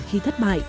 khi thất bại